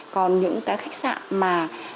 còn những khách sạn mà